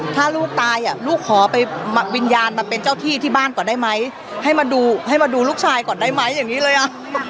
ถ้าลูกตายอ่ะลูกขอไปวิญญาณมาเป็นเจ้าที่ที่บ้านก่อนได้ไหมให้มาดูให้มาดูลูกชายก่อนได้ไหมอย่างนี้เลยอ่ะ